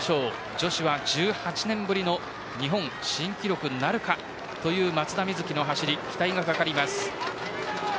女子は１８年ぶりの日本新記録なるかという松田瑞生の走りに期待がかかります。